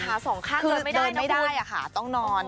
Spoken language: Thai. ขาสองข้างเลยไม่ได้นะพูดคือเดินไม่ได้ค่ะต้องนอน